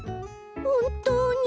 ほんとうに？